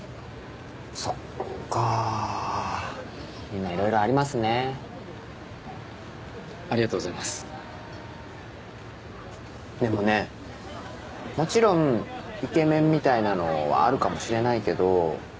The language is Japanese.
そっかみんないろいろありますねありがとうございますでもねもちろんイケメンみたいなのあるかもしれないけど